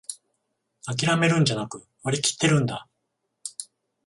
あきらめるんじゃなく、割りきってるんだ